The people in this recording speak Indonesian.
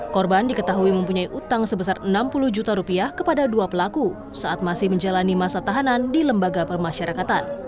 korban diketahui mempunyai utang sebesar enam puluh juta rupiah kepada dua pelaku saat masih menjalani masa tahanan di lembaga permasyarakatan